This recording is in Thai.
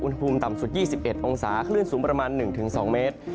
อุณหภูมิต่ำสุด๒๑องศาคลื่นสูงประมาณ๑๒เมตร